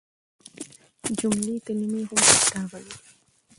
جملې ،کلمې هم پکې راغلي دي.